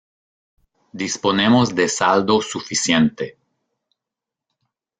Disponemos de saldo suficiente